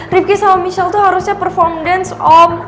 rifqi sama michelle tuh harusnya perform dance om